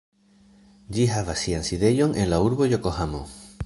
Ĝi havas sian sidejon en la urbo Jokohamo.